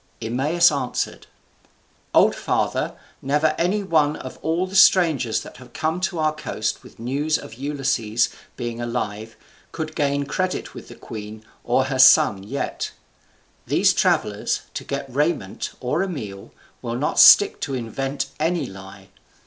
Eumaeus answered, "Old father, never any one of all the strangers that have come to our coast with news of Ulysses being alive could gain credit with the queen or her son yet. These travellers, to get raiment or a meal, will not stick to invent any lie.